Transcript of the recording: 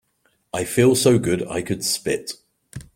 I feel so good I could spit.